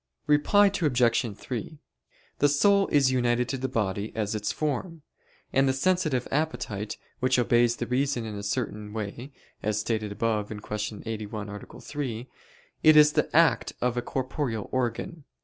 Reply Obj. 3: The soul is united to the body as its form; and the sensitive appetite, which obeys the reason in a certain way, as stated above (Q. 81, A. 3), it is the act of a corporeal organ.